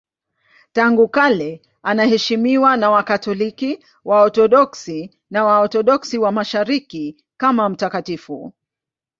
Tangu kale anaheshimiwa na Wakatoliki, Waorthodoksi na Waorthodoksi wa Mashariki kama mtakatifu.